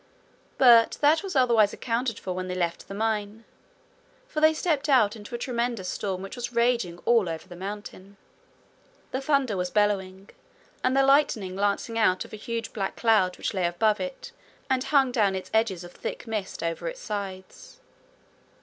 But that was otherwise accounted for when they left the mine, for they stepped out into a tremendous storm which was raging all over the mountain. The thunder was bellowing, and the lightning lancing out of a huge black cloud which lay above it and hung down its edges of thick mist over its sides.